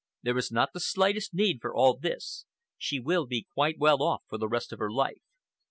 There is not the slightest need for all this. She will be quite well off for the rest of her life.